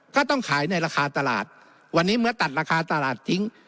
ก็ต้องขายในราคาตลาดวันนี้เมื่อตัดราคาตลาดทิ้ง